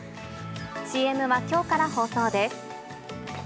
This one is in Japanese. ＣＭはきょうから放送です。